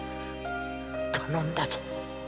頼んだぞ